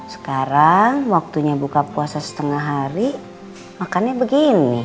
sekarang waktunya buka puasa setengah hari makannya begini